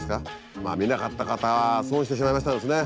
まあ見なかった方は損してしまいましたですね。